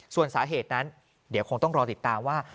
ส่วนสาเหตุนั้นเดี๋ยวคงต้องรอติดตามว่า